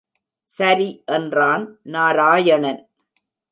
சரி என்றான் நாராயணன்.